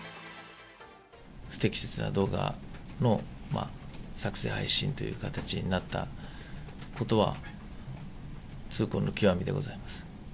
不適切な動画の作成、配信という形になったことは痛恨の極みでございます。